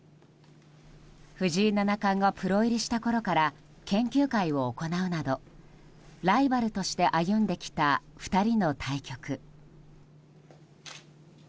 藤井七冠がプロ入りしたころから研究会を行うなどライバルとして歩んできた２人の対局。